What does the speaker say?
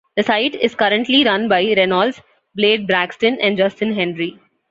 The site is currently run by Reynolds, Blade Braxton and Justin Henry.